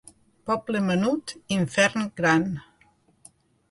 Poble menut, infern gran.